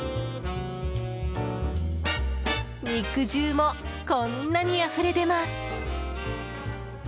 肉汁も、こんなにあふれ出ます。